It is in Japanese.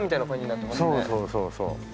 そうそうそうそう。